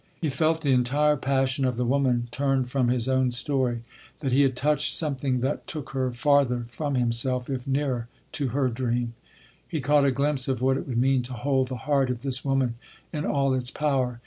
He felt the entire passion of the woman turned from his own story—that he had touched something that took her farther from himself, if nearer to her dream. He caught a glimpse of what it would mean to hold the heart of this woman in all its power.